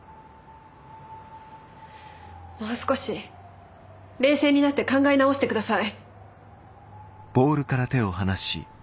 もう少し冷静になって考え直してください。